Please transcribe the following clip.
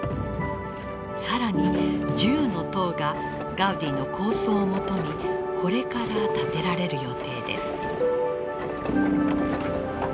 更に１０の塔がガウディの構想をもとにこれから建てられる予定です。